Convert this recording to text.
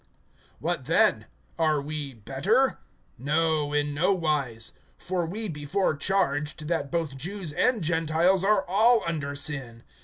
(9)What then? Are we better? No, in no wise; for we before charged, that both Jews and Gentiles are all under sin.